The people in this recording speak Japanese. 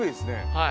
はい。